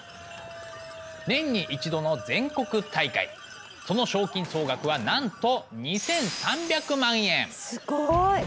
年に一度の全国大会その賞金総額はなんとすごい！